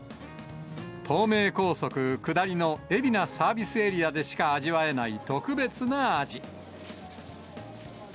東名高速下りの海老名サービスエリアでしか味わえない特別な味。